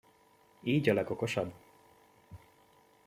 Így a legokosabb!